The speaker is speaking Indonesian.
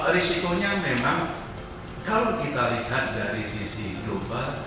risikonya memang kalau kita lihat dari sisi global